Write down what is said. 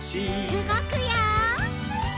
うごくよ！